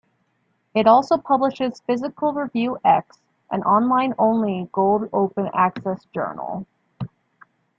It also publishes "Physical Review X", an online-only gold open access journal.